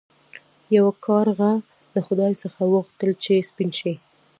یو کارغه له خدای څخه وغوښتل چې سپین شي.